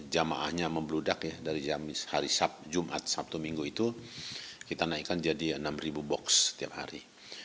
jamaahnya membludak ya dari hari jumat sabtu minggu itu kita naikkan jadi enam box setiap hari